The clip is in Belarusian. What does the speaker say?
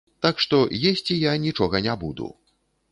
Так што, есці я нічога не буду!